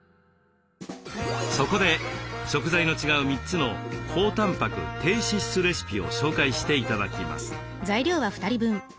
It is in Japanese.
そこで食材の違う３つの高たんぱく低脂質レシピを紹介して頂きます。